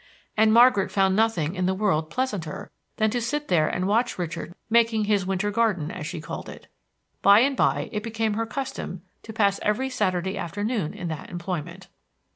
And Margaret found nothing in the world pleasanter than to sit there and watch Richard making his winter garden, as she called it. By and by it became her custom to pass every Saturday afternoon in that employment.